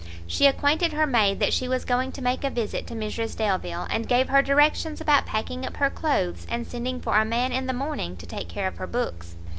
She acquainted her maid that she was going to make a visit to Mrs Delvile, and gave her directions about packing up her clothes, and sending for a man in the morning to take care of her books.